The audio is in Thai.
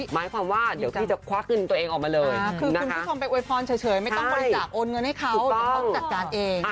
หมายความว่าเดี๋ยวพี่จะควักเงินตัวเองออกมาเลยคือคุณผู้ชมไปอวยพรเฉยไม่ต้องบริจาคโอนเงินให้เขาเดี๋ยวต้องจัดการเอง